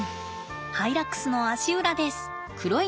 ハイラックスの足裏です。